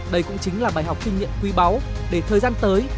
đây cũng chính là bài học kinh nghiệm quý báu để thời gian tới